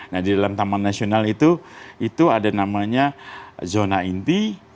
nah di dalam taman nasional itu itu ada namanya zona inti